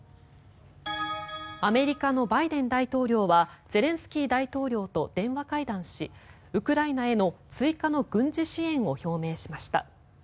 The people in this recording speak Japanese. アメリカのバイデン大統領はゼレンスキー大統領と電話会談しウクライナへの追加の軍事支援を表明しました。